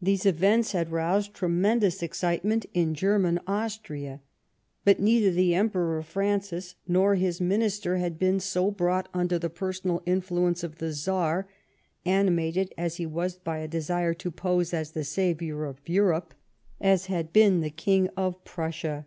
These events had roused tre mendous excitement in German Austria. But neither the Emperor Francis nor his Minister had been so brought under the personal influence of the Czar, animated as he was by a desire to pose as the saviour of Europe, as had been the King of Prussia.